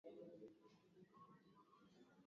kumbuka tu unaendelea kuitegea sikio idhaa ya kiswahili